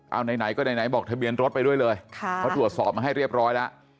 เอาไหนก็ไหนบอกทะเบียนรถไปด้วยเลยเขาตรวจสอบมาให้เรียบร้อยแล้ว